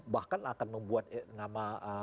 bahkan akan membuat nama